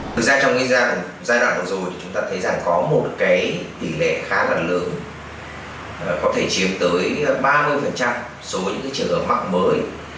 thực ra trong giai đoạn vừa rồi chúng ta thấy rằng có một cái tỷ lệ khá là lớn có thể chiếm tới ba mươi số những cái trường hợp mặn mới